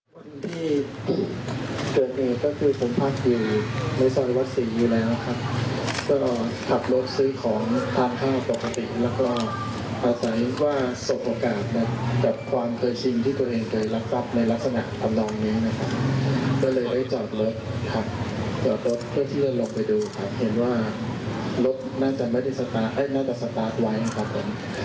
ก็รีบมันลงไปดูครับเห็นว่ารถน่าจะสตาร์ทไว้นะครับผม